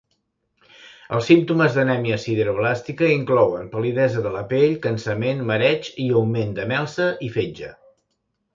Els símptomes d'anèmia sideroblàstica inclouen pal·lidesa de la pell, cansament, mareig i augment de melsa i fetge.